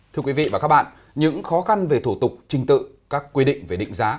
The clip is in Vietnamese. thưa quý vị và các bạn những khó khăn về thủ tục trình tự các quy định về định giá